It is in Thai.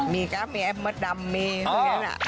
มีกราฟมีแอปเมิดดำมีทุกอย่างนั้น